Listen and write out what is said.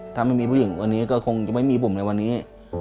ถ้าไม่มีผู้หญิงวันนี้ก็คงจะไม่มีผมในวันนี้